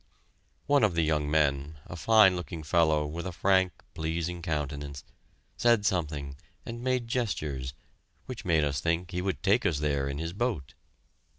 One of the young men, a fine looking fellow with a frank, pleasing countenance, said something and made gestures, which made us think he would take us there in his boat.